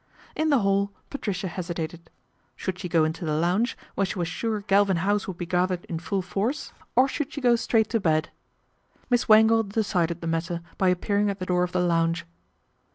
In the hall Patricia hesitated. Should she go into the lounge, where she was sure Galvin House would be gathered in full force, or should she go 40 PATRICIA BRENT, SPINSTER straight to bed ? Miss Wangle decided the mattei by appearing at the door of the lounge.